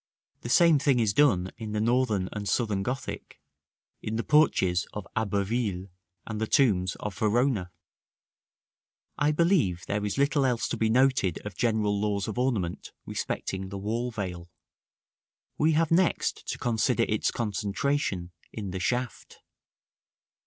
The same thing is done in the Northern and Southern Gothic: in the porches of Abbeville and the tombs of Verona. § XIII. I believe there is little else to be noted of general laws of ornament respecting the wall veil. We have next to consider its concentration in the shaft.